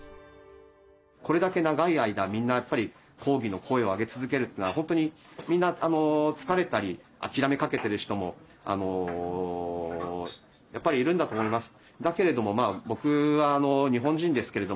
これだけ長い間みんなやっぱり抗議の声を上げ続けるというのは本当にみんな疲れたり諦めかけてる人もやっぱりいるんだと思います。